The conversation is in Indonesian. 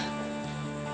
abah yang paling keras